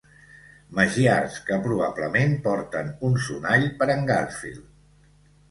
Magiars que probablement porten un sonall per en Garfield.